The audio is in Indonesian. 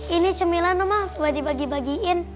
ini cemilan rumah buat dibagi bagiin